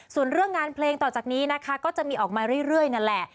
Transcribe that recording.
ส่วนเรื่องงานเพลงต่อจากนี้นะคะก็จะมีออกมาเรื่อยนั่นแหละ